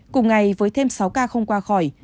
cùng ngày với thêm sáu ca không qua khỏi